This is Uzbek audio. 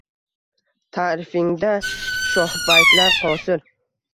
Taʼrifingda shohbaytlar qosir.